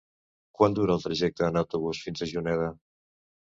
Quant dura el trajecte en autobús fins a Juneda?